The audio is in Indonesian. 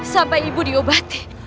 sampai ibu diobati